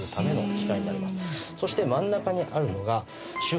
そして真ん中にあるのが。